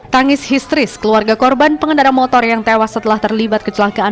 tangis histeris keluarga korban pengendara motor yang tewas setelah terlibat kecelakaan